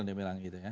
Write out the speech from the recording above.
dia bilang gitu ya